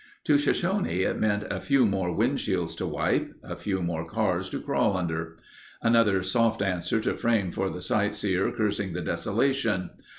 To Shoshone it meant a few more windshields to wipe; a few more cars to crawl under. Another soft answer to frame for the sightseer cursing the desolation.